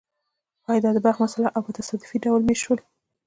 ایا دا د بخت مسئله وه او په تصادفي ډول مېشت شول